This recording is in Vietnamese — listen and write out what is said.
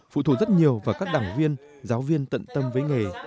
phụ thuộc rất nhiều vào các đảng viên giáo viên tận tâm với nghề